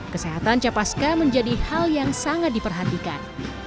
kesehatan capa ska menjadi hal yang sangat diperhatikan